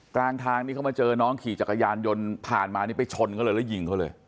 กลางทางที่เขามาเจอน้องขี่จักรยานยนต์ผ่านมานี่ไปชนเขาเลยแล้วยิงเขาเลย